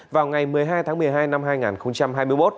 vào ngày một mươi hai tháng một mươi hai năm hai nghìn hai mươi một